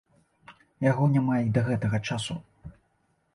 Яго няма й да гэтага часу.